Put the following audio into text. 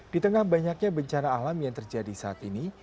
di tengah banyaknya bencana alam yang terjadi saat ini